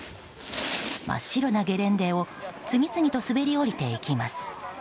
真っ白なゲレンデを次々と滑り降りていきます。